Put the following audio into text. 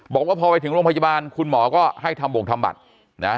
บอกว่าพอไปถึงโรงพยาบาลคุณหมอก็ให้ทำบ่งทำบัตรนะ